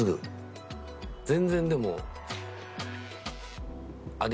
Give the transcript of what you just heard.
全然でも。